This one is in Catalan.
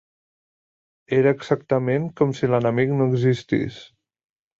Era exactament com si l'enemic no existís